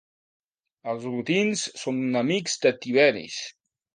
Els olotins són amics de tiberis.